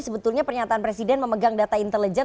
sebetulnya pernyataan presiden memegang data intelijen